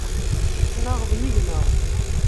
Tettnaɣeḍ yid-neɣ.